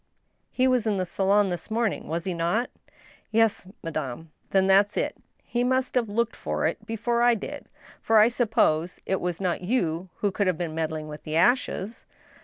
He was in the salon this morning, was he not ?"" Yes, madame." " Then that's it He must have looked for it before I did ; for I suppose it was not you who had been meddling with the ashes?